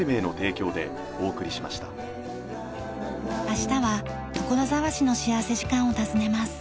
明日は所沢市の幸福時間を訪ねます。